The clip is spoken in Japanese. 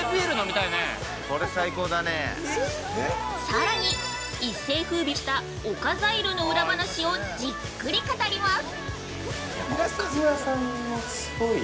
さらに、一世を風靡をした「オカザエル」の裏話をじっくり語ります。